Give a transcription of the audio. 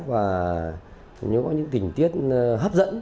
và có những tình tiết hấp dẫn